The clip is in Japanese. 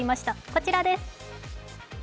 こちらです。